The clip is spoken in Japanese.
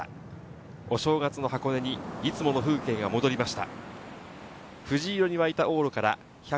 お正月の箱根にいつもの風景が戻りました。